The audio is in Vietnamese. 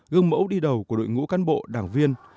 gương mẫu đi đầu của đội ngũ cán bộ đảng viên